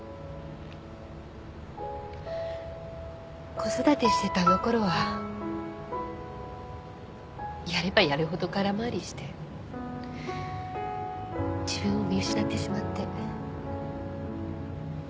子育てしてたあのころはやればやるほど空回りして自分を見失ってしまって。